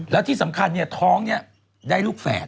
แล้วที่สำคัญท้องนี้ได้ลูกแฝด